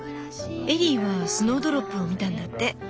エリーはスノードロップを見たんだって。